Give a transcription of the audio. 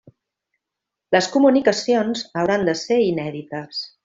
Les comunicacions hauran de ser inèdites.